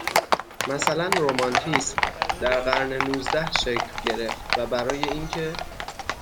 مثلاً رمانتیسم در قرن نوزده شکل گرفت و برای اینکه